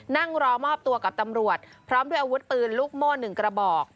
นั่งรอมอบตัวกับตำรวจพร้อมด้วยอาวุธปืนลูกโม่๑กระบอก